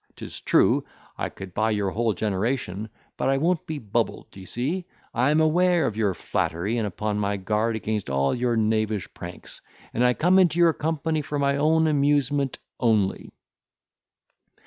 'Tis true, I could buy your whole generation, but I won't be bubbled, d'ye see; I am aware of your flattery, and upon my guard against all your knavish pranks; and I come into your company for my own amusement only."